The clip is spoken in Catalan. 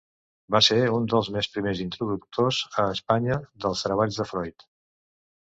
Va ser un dels més primers introductors a Espanya dels treballs de Freud.